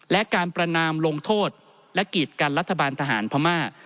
และการประนามลงโทษและกีดกันรัฐบาลทหารพม่า